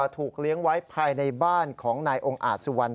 ถูกเลี้ยงไว้ภายในบ้านของนายองค์อาจสุวรรณ